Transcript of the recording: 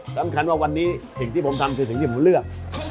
สำคัญว่าวันนี้สิ่งที่ผมทำคือสิ่งที่ผมเลือก